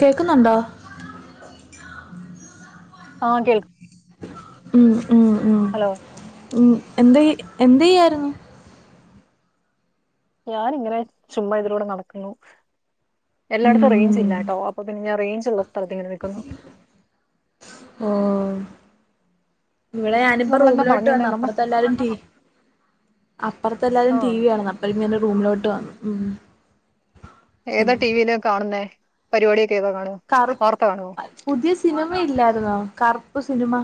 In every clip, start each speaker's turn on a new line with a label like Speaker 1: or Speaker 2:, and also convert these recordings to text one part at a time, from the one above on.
Speaker 1: കേക്കുന്നുണ്ടോ?
Speaker 2: ആ കേൾക്ക
Speaker 1: ഉം. ഉം
Speaker 2: ഹലോ
Speaker 1: ഉം എന്ത എന്തയ്യായിർന്നു?
Speaker 2: ഞാനിങ്ങനെ ചുമ്മാ ഇതിലൂടെ നടക്കുന്നു. എല്ലായിട്ത്തും റൈഞ്ച്
Speaker 1: ഉം
Speaker 2: ഇല്ലാട്ടോ അപ്പൊ പിന്നെ ഞാം റേഞ്ചുള്ള സ്ഥലത്ത്ങ്ങനെ നിക്കുന്നു.
Speaker 1: ഉം ഇവിടെ ഞാനിപ്പോ
Speaker 2: നമ്മളെന്താ
Speaker 1: റൂമിലോട്ട്
Speaker 2: പറഞ്ഞു വന്നേ
Speaker 1: വന്ന
Speaker 2: നമ്മൾ
Speaker 1: അപ്പുറത്തല്ലാരും ടി അപ്പറത്തെ എല്ലാരും ടി
Speaker 2: ആഹ്
Speaker 1: വി കാണ അപ്പം റൂമിലോട്ട് [unintelligible] വന്നു ഉം ഉം
Speaker 2: ഏതാ ടി വിലെ കാണുന്നേ പരിപാടി
Speaker 1: കറു. പുതിയ സിനിമ സിനിമ ഇല്ലായിരുന്നോ കറുപ്പ് സിനിമ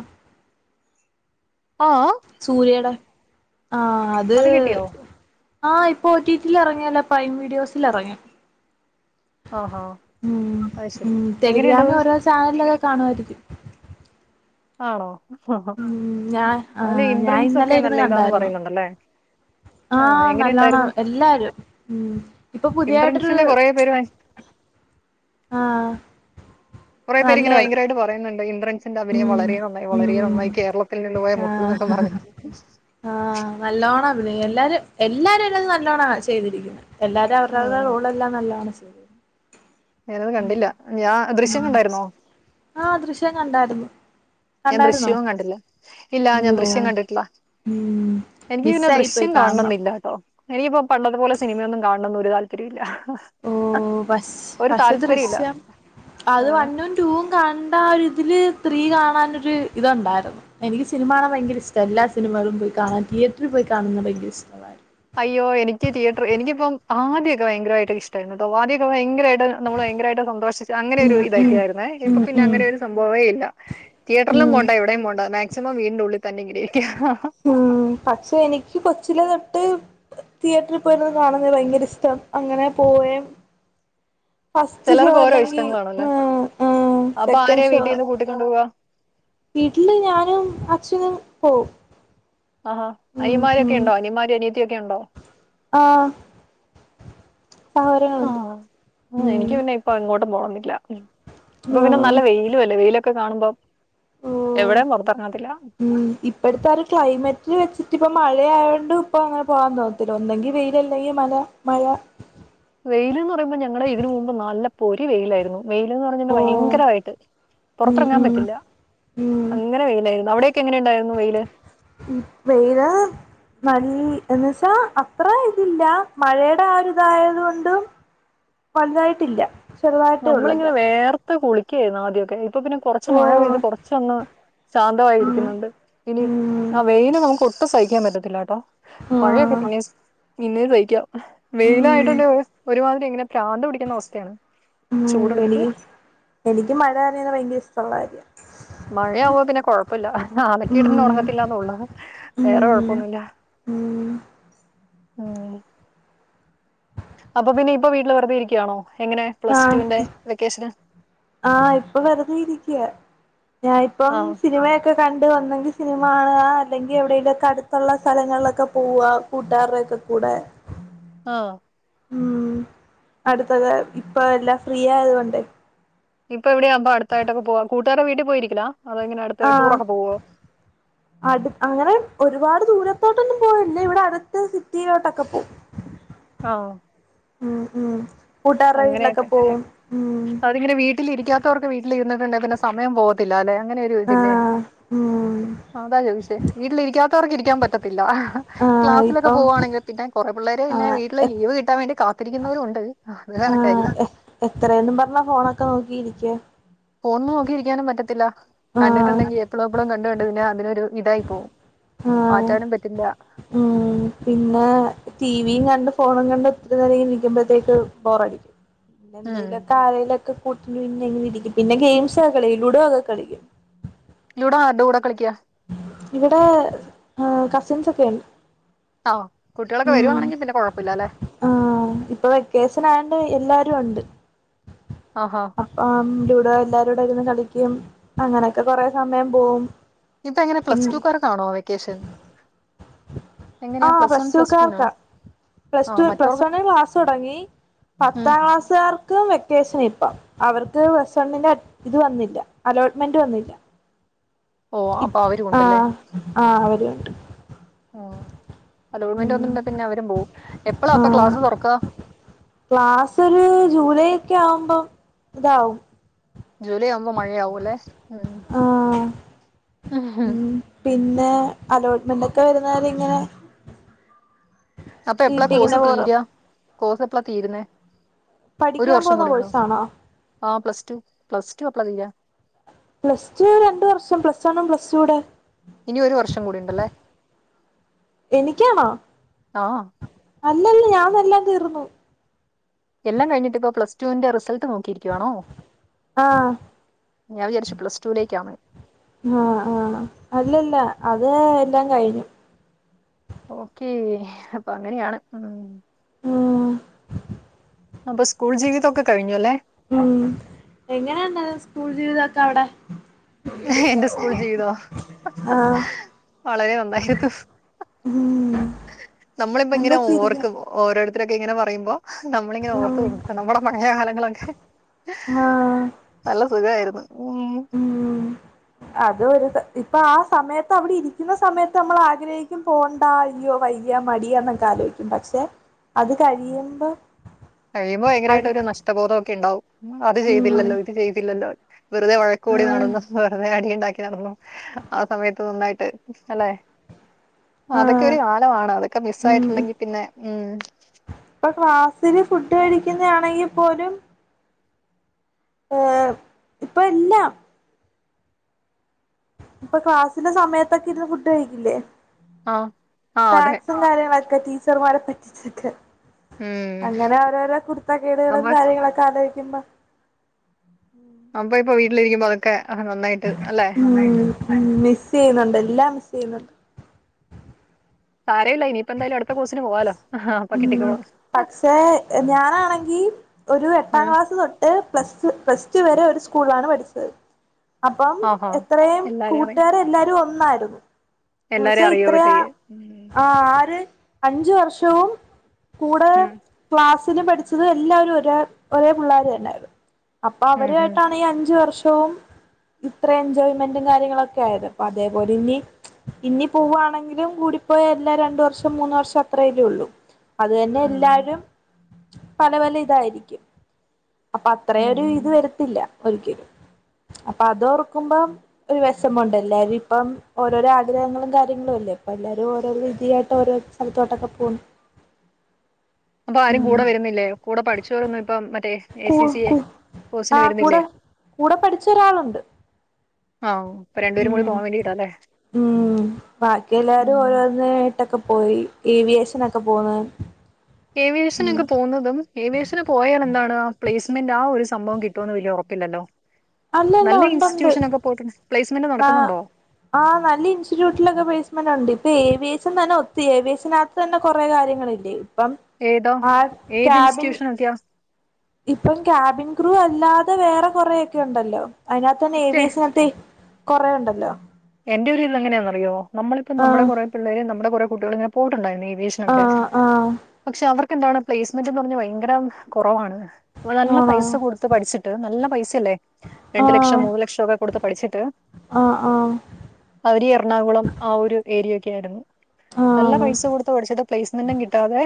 Speaker 2: ആഹ്
Speaker 1: സൂര്യയുടെ ആ അത് ആഹഇപ്പൊ ടിടിൽ ഇറങ്ങിയല്ലോ പ്രൈം വീഡിയോസിൽ അറങ്ങി
Speaker 2: ആഹാ
Speaker 1: ഉം
Speaker 2: അത് ശരി
Speaker 1: ഉം ടെലിഗ്രാമ്
Speaker 2: എങ്ങനെയുണ്ടത്
Speaker 1: ഓരോ ചാനലൊ കാണുവായിരിക്കും
Speaker 2: ആണോ
Speaker 1: ഞാൻ
Speaker 2: അതില്
Speaker 1: ആഹ് ഞാൻ
Speaker 2: ഇന്ദ്രൻസൊക്കെ നല്ല ഇതാന്ന് പറയുന്നുണ്ടല്ലേ
Speaker 1: ആ
Speaker 2: ആഹ് എങ്ങനെയുണ്ടായിരുന്നു
Speaker 1: നല്ലാണാള് എല്ലാരും ഉം ഇപ്പൊ പുതിയായിട്ടൊരു
Speaker 2: ഇന്ദ്രൻസിന്റെ കുറേ പേര്
Speaker 1: ആ
Speaker 2: കുറേ പേര് ഇങ്ങനെ ഭയങ്കരയിട്ട് പറയുന്നുണ്ട് ഇന് സിന്റെ അഭിനയം
Speaker 1: ഉം
Speaker 2: വളരെ നന്നായി വളരെ
Speaker 1: ഉം
Speaker 2: നന്നായി കേരളത്തിൽ നിന്ന് പോയ
Speaker 1: ആഹ്
Speaker 2: മുത്ത്ന്നൊക്ക പറഞ്ഞിട്ട്
Speaker 1: ആഹ് നല്ലോണം അഭിനയി എല്ലാരും എല്ലാരും അതിനാത്ത് നല്ലോണാ ചെയ്തിരിക്കുന്നെ എല്ലാരടേം അവരവരടെ റോളെല്ലാം നല്ലോണം ചെയ്യും [unintelligible]
Speaker 2: ഞങ്ങള് കണ്ടില്ല ഞാ ദൃശ്യം
Speaker 1: ഉം
Speaker 2: കണ്ടായിരുന്നോ
Speaker 1: ആഹ് [unintelligible]
Speaker 2: ഞാൻ
Speaker 1: കണ്ടായിരുന്നോ
Speaker 2: ദൃശ്യവും കണ്ടില്ല ഇല്ലാ ഞാൻ
Speaker 1: അയ്യോ
Speaker 2: ദൃശ്യം കണ്ടിട്ടില്ല
Speaker 1: ഉം
Speaker 2: എനിക്ക് പിന്നെ
Speaker 1: മിസ്സായി
Speaker 2: ദൃശ്യം
Speaker 1: പോയി കാണണം
Speaker 2: കാണണംന്നില്ലാട്ടോ എനിക്കിപ്പോ പണ്ടത്തെപ്പോലെ സിനിമയൊന്നും കാണണംന്ന് ഒരു താല്പര്യുല്ല്യ
Speaker 1: ഓ പശ് പക്ഷേ
Speaker 2: താല്പര്യമില്ല
Speaker 1: ദൃശ്യം അത്
Speaker 2: ഏഹ്
Speaker 1: വണും ടുവും കണ്ടാരു തില് ത്രീ കാണാൻ ഒരു ഇത് ഇണ്ടായിരുന്നു എനിക്ക് സിൽമ കാണാൻ ഭയങ്കര ഇഷ്ട എല്ലാ സിനിമകളും പോയ് കാണാൻ തിയേറ്ററിൽ പോയ്‌ കാണുന്ന ഭയങ്കര ഇഷ്ടള്ള കാര്യ
Speaker 2: അയ്യോ എനിക്ക് തിയേറ്റർ എനിക്കിപ്പം ആദ്യൊക്കെ ഭയങ്കരായിട്ട് ഇഷ്ടായിരുന്നുട്ടോ ആദ്യൊക്കെ ഭയങ്കരായ് ട്ട് നമ്മള് ഭയങ്കരയിട്ട് സന്തോഷിച്ച്
Speaker 1: ഉം
Speaker 2: അങ്ങനെയൊരു
Speaker 1: ഉം
Speaker 2: ഇതൊക്കെയായിരുന്നേ ഇപ്പൊ
Speaker 1: ഉം
Speaker 2: പിന്നെ
Speaker 1: ഉം
Speaker 2: അങ്ങനെയൊരു സംഭവേ ഇല്ല തിയേറ്ററിലും പോണ്ട എവിടേം പോണ്ട മേ സ്സിമം വീടിന്റുള്ളിൽ
Speaker 1: ഉം പക്ഷേ എനിക്ക് കൊച്ചില് തൊ ട്ട് തിയേറ്ററിൽ പോയ്‌ [unintelligible] കാണണ ഭയങ്കര ഇഷ്ടാണ് അങ്ങനെ പോവേം ഫസ്റ്റ് ഷോ
Speaker 2: ചെലർക്ക് ഓരോ
Speaker 1: അല്ലെങ്കി
Speaker 2: ഇഷ്ടങ്ങളാണ്ലെ
Speaker 1: ഉം ഉം
Speaker 2: അപ്പ ആരാ വീടീന്ന് കൂട്ടികൊണ്ടുവാ
Speaker 1: വീട്ടില്ന്ന് ഞാനും അച്ഛനും പോവും
Speaker 2: ആഹാ
Speaker 1: ഉം
Speaker 2: അനിയന്മാരൊക്കെ ഇണ്ടോ അനിയന്മാരും അനിയ ത്ത്യോക്കെയുണ്ടോ
Speaker 1: ആ
Speaker 2: ആ ആ ആ ആ
Speaker 1: ഉം
Speaker 2: എനിക്ക് പിന്നെ ഇപ്പൊ എങ്ങോട്ടും പോണംന്നില്ല ഉം ഇപ്പൊ പിന്നെ നല്ല വെയിലു അല്ലേ വെയില് ക്ക കാണുമ്പോ
Speaker 1: ഉം
Speaker 2: എവിടെയും പുറത്തിറങ്ങത്തില്ല.
Speaker 1: ഉം ഇപ്പഴത്തോര ക്ലൈമെറ്റ് വെച് ഇപ്പം മഴയായൊണ്ട്പ്പോ അങ്ങനെ പോവാൻ തോന്നത്തില്ല ഒന്നെങ്കി വെയ്ല് അല്ലെങ്കി മല മഴ
Speaker 2: വെയ്ല്ന്ന് പറയ്മ്പോ ഞങ്ങടെ ഇതിനുമുമ്പ് നല്ല പൊരി വെയ്ലായിരുന്നു വെയ്‌ല്ന്ന് പറഞ്ഞവിടെ
Speaker 1: ഓഹ്
Speaker 2: ഭയങ്കരവായിട്ട്
Speaker 1: ഉം
Speaker 2: പൊറത്തെറങ്ങാൻ
Speaker 1: ഉം
Speaker 2: പറ്റില്ലാ അങ്ങനെ വെയ്ലായിരുന്നു അവിടെ
Speaker 1: ഉം വെയ്ല് ന ൽ എന്ന് വച്ചാ അത്ര ഇതില്ല മഴേടെ ആ ഒരു ഇതായതുകൊണ്ടും വൽതായിട്ടില്യ
Speaker 2: നമ്മളിങ്ങനെ വേർ ത്ത് കുളിക്കായിരുന്നു ആദ്യക്കെ ഇപ്പൊ പിന്നെ കൊറച്ച് മഴ
Speaker 1: ഓഹ്
Speaker 2: പെയ്ത് കുറച്ചൊന്ന്
Speaker 1: ഉം
Speaker 2: ശാന്തമായിരിക്കുന്നുണ്ട് ഇനി
Speaker 1: ഉം
Speaker 2: ആ വെയില് നമുക്ക് ട്ടും സയിക്കാൻ പറ്റത്തില്ലട്ടോ മഴയൊക്കെ
Speaker 1: ആഹ്
Speaker 2: പിന്നെ പിന്നേം സയിക്കാം
Speaker 1: ഉം
Speaker 2: വെയിലായിട്ടുണ്ടേ ഒരു മാ ഇങ്ങനെ പ്രാന്ത്‌ പിടിക്കുന്ന അവസ്ഥയാണ്
Speaker 1: ഉം
Speaker 2: ചൂടെടുത്തിട്ട്.
Speaker 1: എനിക്ക് എനിക്ക് മഴനനയുന്നെ ഭയങ്കര ഇഷ്ടമുള്ള കാര്യാ
Speaker 2: മഴയാബാ പിന്നെ കൊഴപ്പല്ല അലക്കി ഇടണ
Speaker 1: ഉം
Speaker 2: ഒണക്കത്തില്ലന്നെ ഒള്ള് വേറെ
Speaker 1: ഉം
Speaker 2: കൊഴപ്പൊന്നുവില്ല
Speaker 1: ഉം
Speaker 2: ആ അപ്പൊ പിന്നെ ഇപ്പൊ വീട്ടില് വെറുതെ ഇരിക്കയാണോ എങ്ങനെ പ്ലസ് റ്റു
Speaker 1: ആഹ്
Speaker 2: വിന്റെ വെക്കേഷന്
Speaker 1: ആഹ് ഇപ്പൊ വെറുതെ ഇരിക്കയാ ഞാൻ ഇപ്പം
Speaker 2: ആഹ്
Speaker 1: സിനിമയൊക്കെ കണ്ട ണ്ട് ഒന്നങ്കി സിനിമ കാണുക അല്ലെങ്കി എവിടെലൊക്കെ അടുത്തൊള്ള സ്ഥലങ്ങളിലൊക്കെ പോവ കൂട്ടുകാർടെക്കെ കൂടെ
Speaker 2: ആഹ്
Speaker 1: ഉം അടുത്തത് ഇപ്പ എല്ലാ ഫ്രീ ആയത് കൊണ്ടേ
Speaker 2: ഇപ്പൊ ഇവിടെയാവുമ്പോ അടുത്തായിട്ടൊക്കെ പോവാ കൂട്ടുകാർടെ വീട്ടി പോയിരിക്കലാ അതോ ഇങ്ങനെ അടുത്ത്
Speaker 1: ആഹ്
Speaker 2: ടൂറൊക്കെ പോവോ
Speaker 1: അ അങ്ങനെ ഒരുപാട് ദൂരം പൊറത്തോട്ടൊന്നും പോയില്ല ഇവിടെ അടുത്ത സിറ്റിയിലോട്ടൊക്കെ പോം
Speaker 2: ആഹ്
Speaker 1: ഉം ഉം കൂട്ടുകാരുടെ വീട്ടിലൊക്കെ
Speaker 2: അങ്ങനെയൊക്കെ
Speaker 1: പോവും ഉം
Speaker 2: അതിങ്ങനെ വീട്ടിലിരിക്കാത്തവർക്ക് വീട്ടിലിരുന്ന് പിന്നെ സമയം പോകത്തില്ല അല്ലെ അങ്ങനോരു ഇതില്ലേ
Speaker 1: ആഹ് ഉം
Speaker 2: അതാ ചോദിച്ചേ വീട്ടിലിരിക്കാത്തവർക്ക് ഇരിക്കാൻ പറ്റത്തില്ല
Speaker 1: ആഹ്
Speaker 2: ക്ലാസ്സിലൊക്കെ
Speaker 1: ഇപ്പം
Speaker 2: പോകവാണെങ്കി പിന്നെ കൊറേ പിള്ളേര് പിന്നെ വീട്ടില്
Speaker 1: ആഹ്
Speaker 2: ലീവ് കിട്ടാൻ വേണ്ടി കാ ത്തിരിക്കുന്നവരുണ്ട്
Speaker 1: ആഹ് എത്രയെന്നും പറഞ്ഞ ഫോണൊക്കെ നോക്കിയിരിക്ക
Speaker 2: പോന്ന് നോക്കിയിരിക്കാനും പറ്റത്തില്ല
Speaker 1: ആഹ്
Speaker 2: കണ്ടിട്ടുണ്ടെങ്കി എപ്പളും എപ്പളും ണ്ട് പിന്നെ അതിനൊരു ഇതായി പോവും
Speaker 1: ആഹ
Speaker 2: മാറ്റാനും പറ്റില്ല
Speaker 1: ഉം പിന്നെ ടീവിം കണ്ട് ഫോണും കണ്ട് നിക്കുക്കുമ്പോഴത്തേക്ക് ബോറടിക്കും പിന്നെ
Speaker 2: ഉം
Speaker 1: എന്തെലുംക്കെ ആരേ ലൊക്കെ പിന്നെ ഗെയിംസ്ക്കെ കളിക്കും ലുടോക്കെ കളിക്കും
Speaker 2: ങ്ങള് ആരോടാ കളിക്കാ
Speaker 1: ഇവിടെ കസ്സിൻസ്സ് ഒക്കെ ഉണ്ട്
Speaker 2: ആഹ് കുട്ടികളൊക്കെ
Speaker 1: ഉം
Speaker 2: വരുവാണെങ്കിൽ പിന്നെ കുഴപ്പമില്ലല്ലെ
Speaker 1: ആഹ ഇപ്പോ വെക്കേഷൻ ആയോണ്ട് എല്ലാരും ഉണ്ട്
Speaker 2: ആഹാ
Speaker 1: അപ്പം ലുടോ എല്ലാരും കൂടെ ഇരുന്ന് കളിക്കും മം അങ്ങനെയൊക്കെ കൊറേ സമയം പോവും
Speaker 2: ഇപ്പോ എങ്ങനെ
Speaker 1: പിൻ
Speaker 2: പ്ലസ്ടുകാർക്ക് ആണോ വെക്കേഷൻ
Speaker 1: ആ
Speaker 2: എങ്ങനെയാ പ്ലസ് വൺ പ്ലസ് ടുവിനോ
Speaker 1: പ്ലസ്ടുകാർക്കാ പ്ലസ്
Speaker 2: ആഹ്
Speaker 1: ടു പ്ലസ്
Speaker 2: മറ്റവർക്ക്
Speaker 1: വൺ ക്ലാസ് തുടങ്ങി
Speaker 2: ഉം
Speaker 1: പത്താം ക്ലാസ്കാർക്ക് വെക്കേഷൻ ഇപ്പം അവർക്ക് പ്ലസ് വൺന് ഇത് വന്നില്ല അലോട്ട്മെൻ്റ് വന്നില്ല
Speaker 2: ഓ അപ്പൊ അവരും
Speaker 1: ആ
Speaker 2: ഉണ്ടല്ലേ
Speaker 1: ആ അവരും ഉണ്ട്
Speaker 2: ആഹ് അലോട്ട്മെന്റ്
Speaker 1: ഉം
Speaker 2: വന്നിട്ടുണ്ടെ പിന്നെ അവരും പോവും എപ്പളാ
Speaker 1: ആ
Speaker 2: അപ്പൊ ക്ലാസ് തുറക്ക
Speaker 1: ക്ലാസില് ജൂലൈ ക്ക് ആവുംമ്പം ഇതാവും
Speaker 2: ജൂലൈ ആവുംമ്പം മഴ ആവല്ലേ ഉം
Speaker 1: ആഹ് ഉം പിന്നെ അലോട്ട്മെൻ്റ് ഒക്കെ വരുന്നവരെ ഇങ്ങനെ
Speaker 2: അപ്പോ എപ്പള കോഴ്സ്
Speaker 1: വീട്ടിങ്ങനെ പോറ്
Speaker 2: തീരാ കോഴ്സ് എപ്പള തീരുന്നെ
Speaker 1: പഠിക്കാൻ പോകുന്ന കോഴ്സ് ആണാ
Speaker 2: ആ പ്ലസ്ടു പ്ലസ്ടു എപ്പള തീരാ
Speaker 1: പ്ലസ്ടു രണ്ട് വർഷം പ്ലസ് വൺ പ്ലസ്ടു കൂടെ
Speaker 2: ഇനി ഒരു വർഷം കൂടി ഉണ്ടല്ലേ
Speaker 1: എനിക്ക് ആണോ
Speaker 2: ആഹ്
Speaker 1: അല്ല അല്ല ഞാൻ അത് എല്ലാം തീർന്ന്
Speaker 2: എല്ലാം കഴിഞ്ഞിട്ട് ഇപ്പം പ്ലസ്ടുൻ്റെ റിസൾട്ട് നോക്കിയിരിക്കാണോ
Speaker 1: ആ
Speaker 2: പ്ലസ് ടുവിലേക്കാണ്
Speaker 1: ആ ആ അല്ല അല്ല അത് എല്ലാം കഴിഞ്ഞ്
Speaker 2: ഓക്കെ അപ്പം അങ്ങനെ ആണ്
Speaker 1: ഉം
Speaker 2: അപ്പൊ സ്കൂൾ ജീവിതൊക്കെ കഴിഞ്ഞു അല്ലേ
Speaker 1: ഉം എങ്ങനെ ഉണ്ടായിരുന്നു സ്കൂൾ പിന്നെന്താ അവിടെ
Speaker 2: ഏ എൻ്റെ സ്കൂൾ ജീവിതോ
Speaker 1: ആഹ്
Speaker 2: വളരെ നന്നായിരുന്നു
Speaker 1: ഉം
Speaker 2: നമ്മള് ഇപ്പം
Speaker 1: എന്താ
Speaker 2: ഇങ്ങനെ
Speaker 1: ചിരിക്കണെ
Speaker 2: ഓർക്കും ഓ ഓരോരുത്തര് ഇങ്ങനെ പറയുമ്പോ നമ്മള് ഇങ്ങനെ ഓർത്തു പോവും നമ്മുടെ പഴയ കാലം നിങ്ങളൊക്കെ
Speaker 1: ആ
Speaker 2: ഉം
Speaker 1: ഉം അത് ഒരു സ ഇപ്പം ആ സമയത്ത് അവിടെ ഇരിക്കുന്ന സമയത്ത് നമ്മൾ ആഗ്രഹിക്കും പോണ്ട അയ്യോ വയ്യ മടിയാ എന്നൊക്കെ ആലോജിക്കും പക്ഷേ അത് കഴിയുമ്പോ
Speaker 2: കഴിയുമ്പോ
Speaker 1: അത്
Speaker 2: ഭയങ്കരായിട്ട് ഒരു നഷ്ടബോധക്കെ ഉണ്ടാകും അത്
Speaker 1: ഉം
Speaker 2: ചെയ്തില്ലല്ലോ ഇത് ചെയ്തില്ലല്ലോ വെറുതെ വഴക്ക് കൂടി നടന്നു
Speaker 1: ആഹ്
Speaker 2: വെറുതെ അടിയുണ്ടാക്കി നടന്നു ആ സമയത്ത് നന്നായിട്ട് അല്ലെ അതൊക്കെ
Speaker 1: ആഹ്
Speaker 2: ഒരു കാലമാണ് അതൊക്കെ മിസ്
Speaker 1: ഉം
Speaker 2: ആയിട്ടുണ്ടെങ്കി പിന്നെ ഉം
Speaker 1: ഫുഡടിക്കുന്നത ആണെങ്കിൽ പോലും ഏ ഇപ്പ എല്ല ഇപ്പൊ ക്ലാസ്സിലെ സമയത്തൊക്കെ ഇരുന്ന് ഫുഡ് കഴിക്കില്ലേ
Speaker 2: ആഹ് ആഹ് അതെ
Speaker 1: സ്നാക്സും കാര്യങ്ങളും ഒക്കെ ക്ക ടീച്ചർമാരെ പറ്റിച്ചിട്ട്
Speaker 2: ഉം
Speaker 1: അങ്ങനെ അവരവര കുരുത്ത കേടുകളും
Speaker 2: അപ്പൊ
Speaker 1: കാര്യങ്ങളൊക്കെ ആലോചിക്ക [unintelligible]
Speaker 2: അപ്പ ഇപ്പൊ വീട്ടില് ഇരിക്കുമ്പോ അതൊക്കെ ആ നന്നായിട്ട് അല്ലെ
Speaker 1: ഉം മിസ് യ്യുന്നുണ്ട് എല്ലാം മിസ് യ്യുന്നുണ്ട്
Speaker 2: സാരമില്ല ഇനിയിപ്പ എന്തായാലും അടുത്ത കോഴ്സിന് പോവാലോ അപ്പൊ
Speaker 1: ഉം
Speaker 2: കിട്ടിക്കോളും
Speaker 1: പക്ഷെ ഞാനാണെങ്കി ഒരു എട്ടാം
Speaker 2: ഉം
Speaker 1: ക്ലാസ് തൊട്ട് പ്ലസ് പ്ലസ് ടു വരെ ഒരു സ്കൂളിലാണ് പഠിച്ചത് അപ്പം
Speaker 2: ആഹാ
Speaker 1: എത്രയും കൂട്ടുകാര എല്ലാരും ഒന്നായിരുന്നു
Speaker 2: എല്ലാരേ അറിയുവൊക്കെ ചെയ്യ
Speaker 1: അഞ്ച് വർഷവും കൂടെ
Speaker 2: ഉം
Speaker 1: ക്ലാസ് ന് പഠിച്ചത് എല്ലാവരും ഒരേ ഒരേ പിള്ളേർ തന്നെയായിരുന്നു അപ്പൊ
Speaker 2: ഉം ഉം ഉം
Speaker 1: അവരായിട്ടാണ് ഈ അഞ്ച് വർഷം തോം ഇത്ര എൻജോയ്മെന്റും കാര്യങ്ങളൊക്കെ ആയത് അപ്പ അതേപോലെ ഇനി ഇനി പോവാണെങ്കിലും കൂടിപ്പോയ എല്ലാ രണ്ട് വർഷം മൂന്ന് വർഷം അത്രേ ഉള്ളൂ അത് തന്നെ എല്ലാരും
Speaker 2: ഉം
Speaker 1: പല പല ഇതായിരിക്കും അപ്പൊ
Speaker 2: ഉം
Speaker 1: അത്രയൊരു
Speaker 2: ഉം.
Speaker 1: ഇത് വരത്തില്ല ഒരുക്കും അപ്പൊ അത് ഓർക്കുമ്പോം ഒരു വിഷമമുണ്ട് എല്ലാവരും ഇപ്പം ഓരോരോ ആഗ്രഹങ്ങളും കാര്യങ്ങളുല്ലേ ഇപ്പ എല്ലരും ഓരോ രീതിയായി ഓരോ സ്ഥലത്തോട്ടൊക്കെ പോണ്
Speaker 2: അപ്പൊ ആരും കൂടെ വരുന്നില്ലേ കൂടെ പഠിച്ചോരൊന്നും ഇപ്പം മറ്റേ എ
Speaker 1: കു
Speaker 2: സി സി എ
Speaker 1: കൂ
Speaker 2: കോഴ്സിന്
Speaker 1: ആഹ്
Speaker 2: വരുന്നില്ലേ
Speaker 1: കൂടെ കൂടെ പഠിച്ചൊരാളുണ്ട്
Speaker 2: ആഹ് അപ്പൊ രണ്ടുപേരും കൂടി
Speaker 1: ഉം
Speaker 2: പോവാൻ വേണ്ടിട്ടാല്ലേ
Speaker 1: ഉം ബാക്കി എല്ലാരും
Speaker 2: ഉം
Speaker 1: ഓരോന്നേട്ടക്കെ പോയി ഏവിയേഷനൊക്കെ പോണ്
Speaker 2: ഏ വി ഏഷനൊക്കെ പോന്നതും ഏ വി ഏഷന് പോയാൽ എന്താണ് പ്ലേസ്മെന്റ് ആ ഒരു സംഭവം കിട്ടോന്ന് വല്യ ഒറപ്പില്ലല്ലോ
Speaker 1: അല്ലല്ല ഒണ്ട് ഒണ്ട്
Speaker 2: പ്ലേസ്മെന്റ്
Speaker 1: ആ
Speaker 2: നടക്കുന്നുണ്ടോ
Speaker 1: ആ നല്ല ഇൻസ്റ്റിറ്റ്യൂട്ടിലൊക്കെ പ്ലേസ്മെന്റ് ഒണ്ട് ഇപ്പൊ ഏവിയേഷൻ തന്നെ ഒത്തി ഏവിയേഷനാത്ത് തന്നെ കൊറേ കാര്യങ്ങളില്ലേ ഇപ്പം
Speaker 2: ഏതോ
Speaker 1: ആ
Speaker 2: ഏത്
Speaker 1: ക്യാബിൻ
Speaker 2: ഇൻസ്റ്റിറ്റ്യൂഷനതിയ
Speaker 1: ഇപ്പം ക്യാബിൻ ക്രൂ അല്ലാതെ വേറെ കൊറെയൊക്കെണ്ടല്ലോ അതിനാത്തന്നെ
Speaker 2: പക്ഷെ
Speaker 1: ഏവിയേഷനത്തെ കൊറേ ഒണ്ടല്ലോ
Speaker 2: എന്റെ ഒരു ഇത് എങ്ങനെയാന്നറിയോ നമ്മളിപ്പം നമ്മടെ
Speaker 1: ആഹ്
Speaker 2: കൊറേ പിള്ളേരെ നമ്മടെ കൊറെ കുട്ടികൾ ഇങ്ങനെ പോയിട്ടുണ്ടായിരുന്നു ഈ ഏവിയേഷനക്കെ
Speaker 1: ആഹ് ആഹ്
Speaker 2: പക്ഷെ അവർ എന്താണ് പ്ലേസ്മെന്റ് എന്ന് പറഞ്ഞാ ഭയങ്കരം കൊറവാണ് വോളല്ല പൈസ
Speaker 1: ആണോ
Speaker 2: കൊടുത്ത് പഠിച്ചിട്ട് നല്ല പൈസ ഇല്ലേ രണ്ടു ലക്ഷം
Speaker 1: ആഹ്
Speaker 2: മൂന്ന് ലക്ഷോക്കെ കൊടുത്ത് പഠിച്ചിട്ട്
Speaker 1: ആഹ് ആഹ്
Speaker 2: അവര് എറണാകുളം ആ ഒരു ഏരിയൊക്കെ ആയിരുന്നു
Speaker 1: ആഹ്
Speaker 2: നല്ല
Speaker 1: ആഹ്
Speaker 2: പൈസ കൊടുത്ത് പഠിച്ചട്ട് പ്ലേസ് ഒന്നും കിട്ടാതെ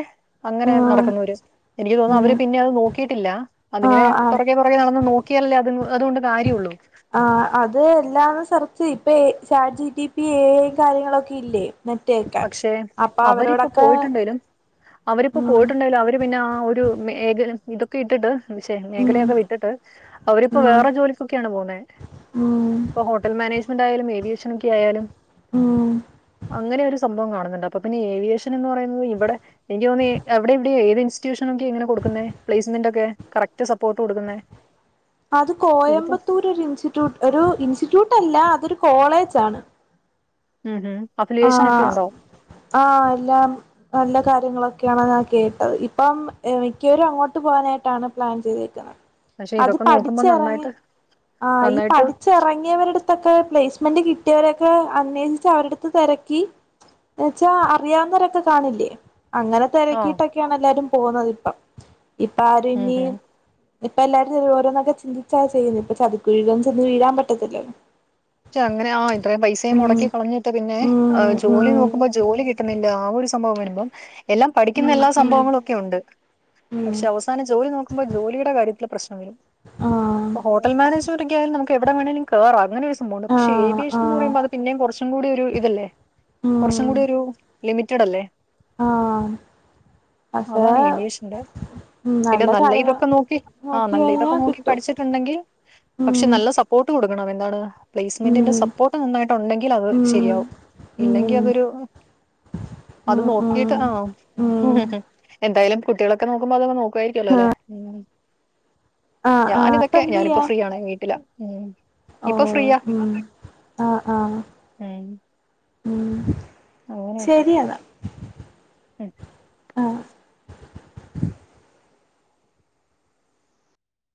Speaker 2: അങ്ങനെ നടക്കുന്നവര് എനിക്ക് തോന്നും
Speaker 1: ഉം
Speaker 2: അവര് പിന്നെ അത് നോ കേട്ടില്ലാ അതിങ്ങനെ
Speaker 1: ആഹ് ആഹ്
Speaker 2: പൊറകെ പൊറകെ നടന്ന് നോ കിയല്ലേ അത് അതുകൊണ്ട് കാര്യാള്ളൂ
Speaker 1: ആഹ് ചാറ്റിടി പി എ ഐ കാര്യങ്ങളൊക്കെ ഇല്ലേ മറ്റേയൊക്കെ
Speaker 2: പക്ഷെ
Speaker 1: അപ്പൊ
Speaker 2: അവരിപ്പോ
Speaker 1: അവരോടൊക്കെ
Speaker 2: പോയിട്ടുണ്ടേലും അവരിപ്പോ
Speaker 1: ഉം
Speaker 2: പോയിട്ടുണ്ടേലും അവര് പിന്നെ ആ ഒരു മേകലും ഇതൊക്കെ ഇട്ടിട്ട് പഷേ
Speaker 1: ഉം
Speaker 2: മേകലയൊക്കെ വിട്ടിട്ട് അവരിപ്പോ
Speaker 1: ഉം
Speaker 2: വേറെ ജോലിക്കൊക്കെയാണ് പോകുന്നേ
Speaker 1: ഉം
Speaker 2: ഇപ്പൊ ഹോട്ടൽ മാനേജ്മെന്റ് ആയാലും ഏവിയേ ഭക്ഷണൊക്കെ ആയാലും
Speaker 1: ഊം
Speaker 2: അങ്ങനെ ഒരു സംഭവം കാണുന്നുണ്ട് അപ്പൊ പിന്നെ ഏവിയേഷൻ എന്ന് പറയുന്നത് ഇവിടെ എനിക്ക് തോന്നി അവിടെ ഇവിടെ ഏത് ഇൻസ്റ്റിറ്റ്യൂഷനൊക്കെ എങ്ങനെ കൊടുക്കുന്നേ പ്ലേസ്സ്മെന്റാക്കെ കറക്റ്റ് സപ്പോർട്ട് കൊടുക്കുന്നേ
Speaker 1: അത്
Speaker 2: ഇതിപ്പോ
Speaker 1: കോയമ്പത്തൂരില് ഒരു ഇൻസ്റ്റിറ്റ്യൂട്ട് ഒരു ഇൻസ്റ്റിറ്റ്യൂട്ട് അല്ല ആഅതൊരു കോളേജാണ്
Speaker 2: ഊഹും
Speaker 1: അആ ആ എല്ലാം നല്ല കാര്യങ്ങളൊ ഒക്കെയാണ് ഞാൻ കേട്ടത് ഇപ്പം എ മിക്കവരും അങ്ങോട്ട് പോകാനായിട്ടാണ് പ്ലാൻ ചെയ്തരിക്കണെ
Speaker 2: പക്ഷെ
Speaker 1: അത്
Speaker 2: ഇതൊക്കെ നോക്കുമ്പോ
Speaker 1: പഠിച്ചെറങ്ങി
Speaker 2: നന്നായിട്ട്
Speaker 1: ആ ഈ
Speaker 2: നന്നായിട്ട്
Speaker 1: പഠിച്ചെറങ്ങിയവരുടുത്തൊക്കെ പ്ലേസ് അലോന്റ് മെന്റ് കിട്ടിയവരൊക്കെ അന്വേഷിച്ച് അവരുടെ തിരക്കി എന്ന് വച്ചാ അറിയാവുന്നവരൊക്കെ കാണില്ലേ അങ്ങനെ
Speaker 2: ആഹ്
Speaker 1: തിരക്കിയിട്ടൊക്കെയാണ് എല്ലാരും പോന്നതിപ്പം പ്പാ
Speaker 2: ഉം
Speaker 1: രുംനീ
Speaker 2: ഹും
Speaker 1: ഇപ്പൊ എല്ലാരും ഓരോന്നൊക്കെ ചിന്തിച്ചാ ചെയ്യുന്നു ഇപ്പൊ ചതുക്കുഴുകൻ ചെന്ന് വീഴാൻ പറ്റത്തില്ലോ
Speaker 2: പക്ഷെ അങ്ങനെ ആ ഇത്രയും പൈസയും മുടക്കി കളഞ്ഞിട്ട് പി - പിന്നെ
Speaker 1: ഉം
Speaker 2: ജോലി
Speaker 1: ഉം
Speaker 2: നോക്കുമ്പോ ജോലി കിട്ടുന്നില്ല ആ ഒരു സംഭവം വരുമ്പം എല്ലാം പഠിക്കുന്ന എല്ലാ
Speaker 1: ഉം ഉം
Speaker 2: സംഭവങ്ങളും ഒക്കെ ഉണ്ട് പക്ഷെ അവസാന ജോലി നോക്കുമ്പോൾ ജോലിയുടെ കാര്യത്തി ള്ള പ്രശ്
Speaker 1: ആഹ്
Speaker 2: ഹോട്ടൽ മാനേജ്മെന്റ ഒക്കെയാലും നമുക്ക് എവിടെ വേണേങ്കിലും കേറാം അങ്ങനെ പക്ഷെ
Speaker 1: ആഹ്
Speaker 2: ഏവിയേഷൻ എന്ന്
Speaker 1: ആഹ്
Speaker 2: പറയുമ്പോ അത് പിന്നെയും കുറച്ചും കൂടി ഒരു ഇതല്ലേ കുറച്ചും
Speaker 1: ഉം
Speaker 2: കൂടി ഒരു ലിമിറ്റഡ് അല്ലേ
Speaker 1: ആഹ് പക്ഷേ
Speaker 2: അതാണ് ഏവിയേഷന്റെ പിന്നെ നല്ല ഇതൊക്കെ നോക്കി ആ
Speaker 1: നോക്കി
Speaker 2: നല്ല
Speaker 1: കഴിഞ്ഞാ
Speaker 2: ഇതൊക്കെ നോക്കി
Speaker 1: കിട്ടും
Speaker 2: പഠിച്ചിട്ടുണ്ടെങ്കിൽ പക്ഷെ
Speaker 1: ഉം
Speaker 2: നല്ല സപ്പോർട്ട് കൊടുക്കും ണം എന്താണ് പ്ലേസ്മെന്റിന്റെ
Speaker 1: ഉം
Speaker 2: സപ്പോർട്ട് നന്നായിട്ടുണ്ടെങ്കിൽ അത്
Speaker 1: ഉം
Speaker 2: ശരിയാവും
Speaker 1: ഉം
Speaker 2: ഇല്ലെങ്കിൽ അതൊരു അത്
Speaker 1: ഉം
Speaker 2: നോക്കിട്ട്
Speaker 1: ഉം
Speaker 2: ആ ഹ
Speaker 1: ഉം
Speaker 2: ഹ എന്തായാലും കുട്ടികളൊക്കെ നോക്കുമ്പോ അതൊക്കെ നോക്കും. കഴിക്കല്ലോ അല്ലേ ഉ
Speaker 1: ആഹ് ആഹ്
Speaker 2: ഞാനിതൊക്കെ ഞാനിപ്പോ
Speaker 1: ഇപ്പെന്തെയ്യാ
Speaker 2: ഫ്രീ ആണെവീട്ടില ഉം ഇപ്പൊ
Speaker 1: ഓഹ്
Speaker 2: ഫ്രീയാ
Speaker 1: ഉം ആഹ് ആഹ്
Speaker 2: ഉം
Speaker 1: ഉം
Speaker 2: അങ്ങനെയൊക്കെ
Speaker 1: ശരിയ ന്നാ
Speaker 2: ഉം
Speaker 1: ആഹ്